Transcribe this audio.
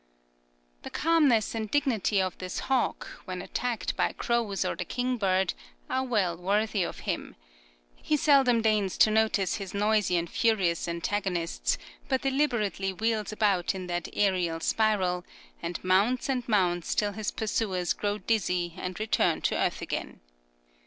The calmness and dignity of this hawk, when attacked by crows or the kingbird, are well worthy of him. He seldom deigns to notice his noisy and furious antagonists, but deliberately wheels about in that aerial spiral, and mounts and mounts till his pursuers grow dizzy and return to earth again.